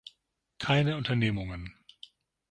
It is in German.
Keine Unternehmungen.